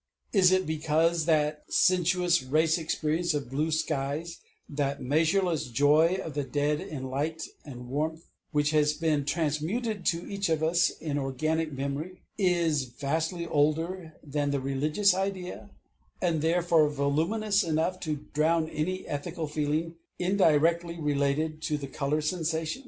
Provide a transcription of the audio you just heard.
Is it because that sensuous race experience of blue skies, that measureless joy of the dead in light and warmth, which has been transmitted to each of us in organic memory, is vastly older than the religious idea, and therefore voluminous enough to drown any ethical feeling indirectly related to the color sensation?